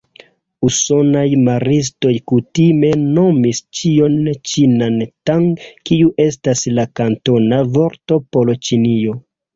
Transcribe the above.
Usonaj maristoj kutime nomis ĉion ĉinan "Tang", kiu estas la kantona vorto por Ĉinio.